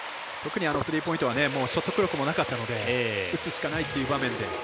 特にスリーポイントはショットブロックもなかったので打つしかないっていう場面で。